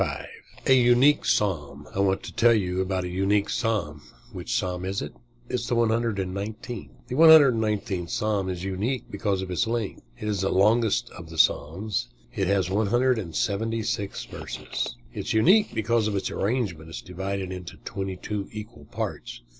"_ A UNIQUE PSALM I want to tell you about a unique Psalm. Which Psalm is it? It is the 119th. The 119th Psalm is unique because of its length. It is the longest of the Psalms. It has one hundred and seventy six verses. It is unique because of its arrangement. It is divided into twenty two equal parts.